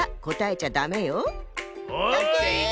オッケー！